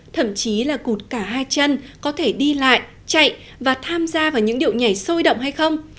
thậm chí là cụt cả hai chân có thể đi lại chạy và tham gia vào những điệu nhảy sôi động hay không